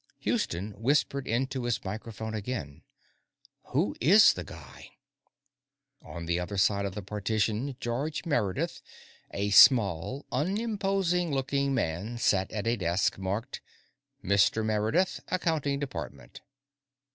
Houston whispered into his microphone again. "Who is the guy?" On the other side of the partition, George Meredith, a small, unimposing looking man, sat at a desk marked: MR. MEREDITH ACCOUNTING DEPT.